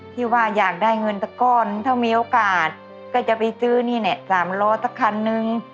ที่ว่าอยากได้เงินสักก้อนถ้ามีโอกาสก็จะไปซื้อนี่แหละ๓ล้อสักคันนึง